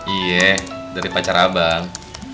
iya dari pacar abang